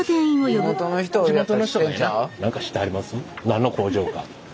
何の工場か。